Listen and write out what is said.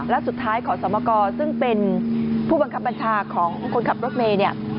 และสุดท้ายขอสมกรซึ่งเป็นผู้บังคับบัญชาของคนขับรถเมย์เนี่ย